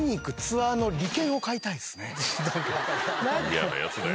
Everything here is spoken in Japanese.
嫌なやつだよ。